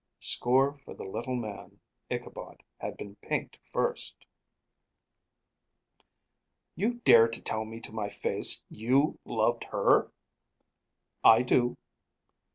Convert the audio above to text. Score for the little man. Ichabod had been pinked first. "You dare tell me to my face you loved her?" "I do."